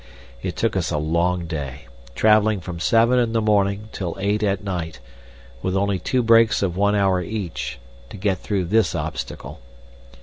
It took us a long day, traveling from seven in the morning till eight at night, with only two breaks of one hour each, to get through this obstacle.